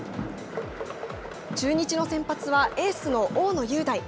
中日の先発はエースの大野雄大。